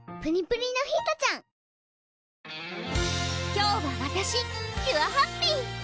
今日はわたしキュアハッピー！